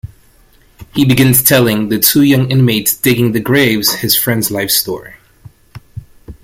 He begins telling the two young inmates digging the graves his friends' life story.